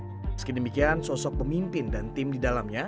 meski demikian sosok pemimpin dan tim di dalamnya